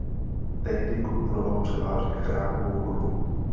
Tehdy komponoval převážně chrámovou hudbu.